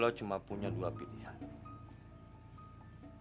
lo cuma punya dua pilihan